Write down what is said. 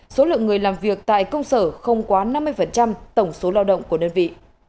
số lượng người làm việc tại công sở không quá năm mươi tổng số lao động của đơn vị